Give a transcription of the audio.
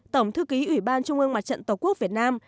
tổng thư ký ủy ban trung ương mặt trận tổ quốc việt nam